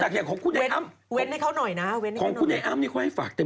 แสดงว่าอันนี้เนี่ยเห็นไหมเขาต้องดูดน้ำมูกดูดอะไรตลอด